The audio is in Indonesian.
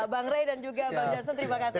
bang ray dan juga bang jansun terima kasih